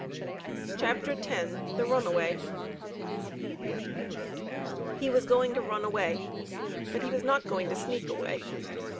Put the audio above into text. CHAPTER X THE RUNAWAY He was going to run away. But he was not going to sneak away.